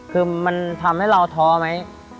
คือมันทำให้เราท้อไหม